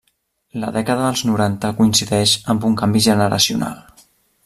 La dècada dels noranta coincideix amb un canvi generacional.